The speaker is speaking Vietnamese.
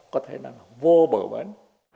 có thể nói là vô bờ bến